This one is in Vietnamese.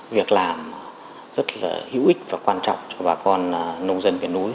việc làm rất là hữu ích và quan trọng cho bà con nông dân việt nối